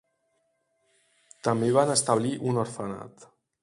També van establir un orfenat.